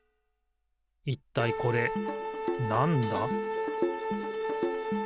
いったいこれなんだ？